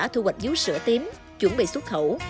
thu hoạch dũ sữa tím chuẩn bị xuất khẩu